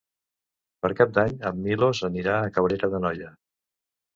Per Cap d'Any en Milos anirà a Cabrera d'Anoia.